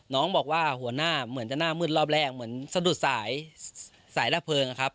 น้องบอกว่าหัวหน้าเหมือนจะหน้ามืดรอบแรกเหมือนสะดุดสายสายระเพลิงนะครับ